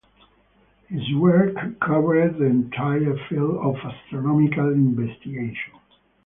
His work covered the entire field of astronomical investigation.